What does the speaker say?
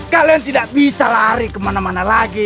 kalian tidak bisa lari ke mana mana lagi